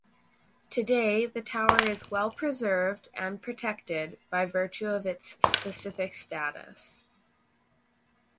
Today the tower is well preserved and protected by virtue of its specific status.